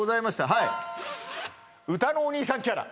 はい歌のお兄さんキャラ